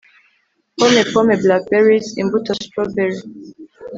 Pomepome blackberriesImbuto strawberry